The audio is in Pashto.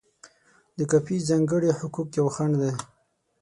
د کاپي ځانګړي حقوق یو خنډ دی.